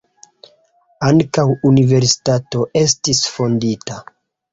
Ankaŭ universitato estis fondita.